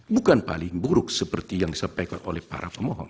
bukan paling buruk seperti yang disampaikan oleh para pemohon